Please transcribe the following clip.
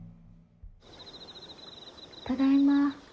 ・ただいま。